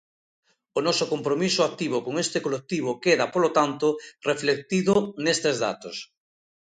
O noso compromiso activo con este colectivo queda, polo tanto, reflectido nestes datos.